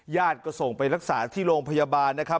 ก็ส่งไปรักษาที่โรงพยาบาลนะครับ